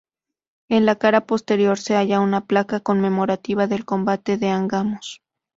En la cara posterior se halla una placa conmemorativa del combate de Angamos.